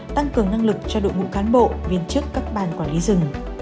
tăng cường năng lực cho đội ngũ cán bộ viên chức các ban quản lý rừng